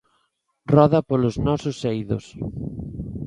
Roda polos nosos eidos!